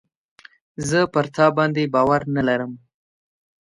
زه پر تا باندي باور نه لرم .